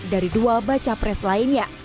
dari dua baca pres lainnya